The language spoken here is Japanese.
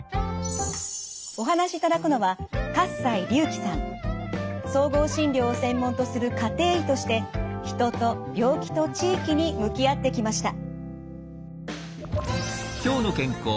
お話しいただくのは総合診療を専門とする家庭医として人と病気と地域に向き合ってきました。